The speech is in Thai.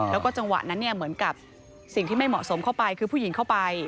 แล้วก็จังหวะนั้นเนี่ยเหมือนกับสิ่งที่ไม่เหมาะสมเข้าไปคือผู้หญิงเข้าไป